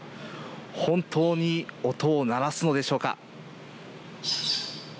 本当に音を鳴らすのでしょうか。